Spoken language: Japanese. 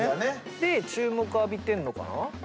で注目浴びてるのかな？